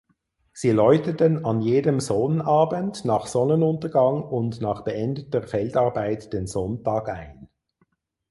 Sie läuteten an jedem Sonnabend nach Sonnenuntergang und nach beendeter Feldarbeit den Sonntag ein.